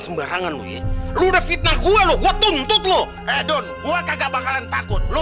sembarangan lo ya lo udah fitnah gue lo gue tuntut lo eh don gue kagak bakalan takut lo